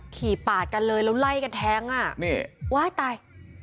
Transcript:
ขี่ปัดกันเลยแล้วไล่กันแทงอ่ะฮวาตาย